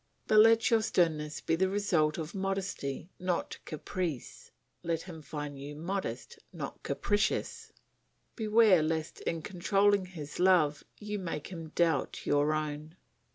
But let your sternness be the result of modesty not caprice; let him find you modest not capricious; beware lest in controlling his love you make him doubt your own.